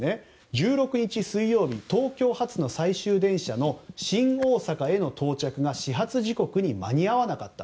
１６日、水曜日東京発の最終電車の新大阪への到着が始発時刻に間に合わなかった。